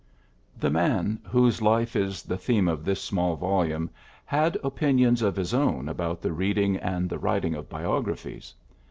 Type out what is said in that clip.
The man whose life is the theme of this small volume had opinions of his own about the reading and the writing of biographies.